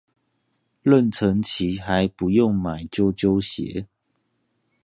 妊娠期還不用買啾啾鞋